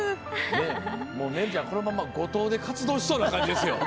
ねるちゃん、このまま五島で活動しそうな感じです。